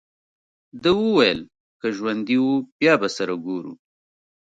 ده وویل: که ژوندي وو، بیا به سره ګورو.